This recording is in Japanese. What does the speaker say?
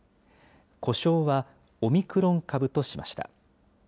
呼称はオミクロン株としました。